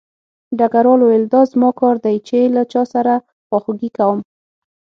ډګروال وویل دا زما کار دی چې له چا سره خواخوږي کوم